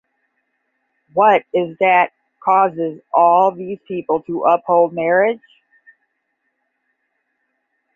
What is it that causes all these people to uphold marriage?